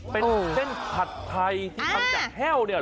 เป็นเส้นผัดไทยที่ทำจากแห้วเนี่ย